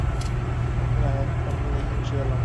আপনি আঘাত পাননি দেখে খুশি হলাম!